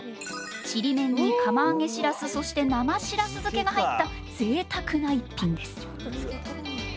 ちりめんに釜揚げしらすそして生しらす漬けが入ったぜいたくな一品です。